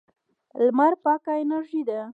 لمر پاکه انرژي ده.